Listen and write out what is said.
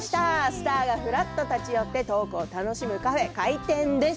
スターがふらっと立ち寄ってトークを楽しむカフェ、開店です。